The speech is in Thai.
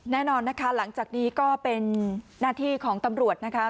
แน่นอนนะคะหลังจากนี้ก็เป็นหน้าที่ของตำรวจนะคะ